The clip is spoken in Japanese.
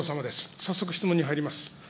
早速、質問に入ります。